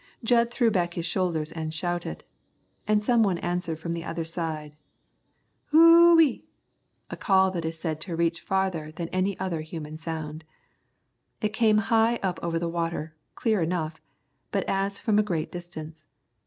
Jud threw back his shoulders and shouted; and someone answered from the other side, "Who ee!" a call that is said to reach farther than any other human sound. It came high up over the water, clear enough, but as from a great distance.